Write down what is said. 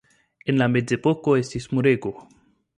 En la Mezepoko estis murego.